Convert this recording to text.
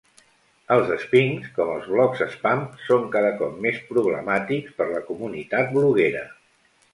Els spings, com els blogs spam, són cada cop més problemàtics per la comunitat bloguera.